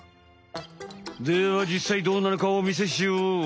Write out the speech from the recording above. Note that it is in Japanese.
ではじっさいどうなのかお見せしよう！